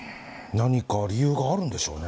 何か理由があるんでしょうね。